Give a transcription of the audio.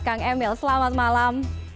kang emil selamat malam